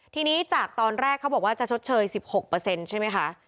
ทีนี้จากตอนแรกเขาบอกว่าจะชดเชย๑๖ใช่ไหมคะ